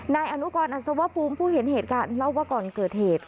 นายอนุกรอัศวภูมิผู้เห็นเหตุการณ์เล่าว่าก่อนเกิดเหตุ